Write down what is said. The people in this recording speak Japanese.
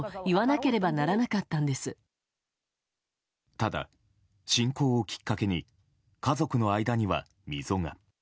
ただ、侵攻をきっかけに家族の間には溝が。